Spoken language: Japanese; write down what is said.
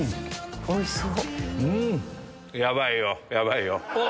おいしそう。